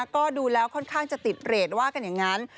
ก็ดูแล้วค่อนข้างจะติดเรทว่ากันอย่างนั้น